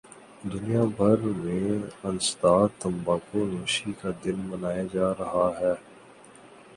دنیا بھر میں انسداد تمباکو نوشی کا دن منایا جارہاہے